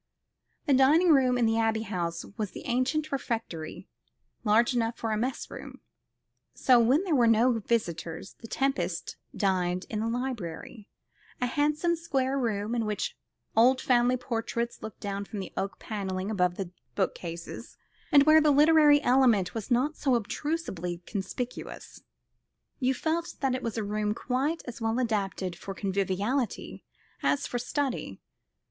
The dining room at the Abbey House was the ancient refectory, large enough for a mess room; so, when there were no visitors, the Tempests dined in the library a handsome square room, in which old family portraits looked down from the oak panelling above the bookcases, and where the literary element was not obtrusively conspicuous. You felt that it was a room quite as well adapted for conviviality as for study.